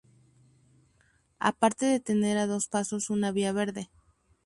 Aparte de tener a dos pasos una vía verde.